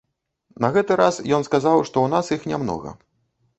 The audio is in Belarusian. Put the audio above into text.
На гэты раз ён сказаў, што ў нас іх не многа.